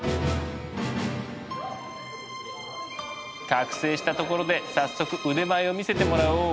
覚醒したところで早速腕前を見せてもらおう。